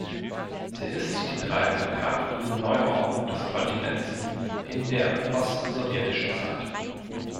Sie ist die treibende Kraft in der Neuordnung des Kontinents in der postsowjetischen Zeit.